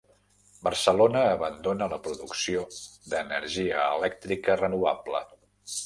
Barcelona abandona la producció d'energia elèctrica renovable